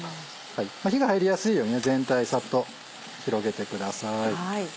火が入りやすいように全体サッと広げてください。